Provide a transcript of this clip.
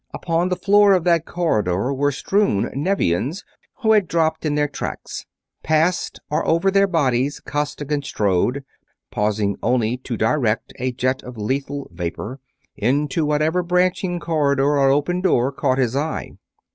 Upon the floor of that corridor were strewn Nevians, who had dropped in their tracks. Past or over their bodies Costigan strode, pausing only to direct a jet of lethal vapor into whatever branching corridor or open door caught his eye.